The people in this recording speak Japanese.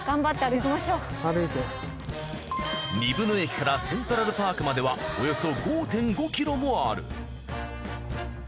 仁豊野駅からセントラルパークまではおよそ５．５ｋｍもある。